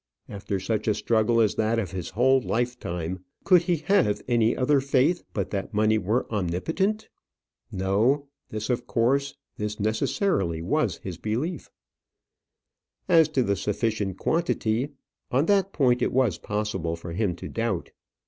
After such a struggle as that of his whole lifetime, could he have any other faith but that money were omnipotent? No; this of course, this necessarily was his belief. As to the sufficient quantity on that point it was possible for him to doubt.